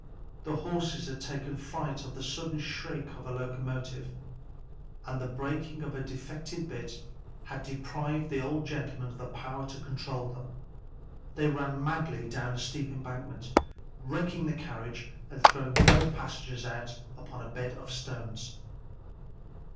The horses had taken fright at the sudden shriek of a locomotive, and the breaking of a defective bit had deprived the old gentleman of the power to control them. They ran madly down a steep embankment, wrecking the carriage and throwing both passengers out upon a bed of stones.